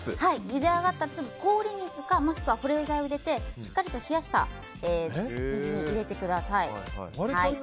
ゆで上がったら、氷水かもしくは保冷剤を入れてしっかりと冷やした水に入れてください。